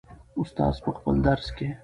استاد په خپل درس کې.